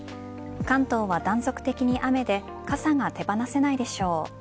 関東は断続的に雨で傘が手放せないでしょう。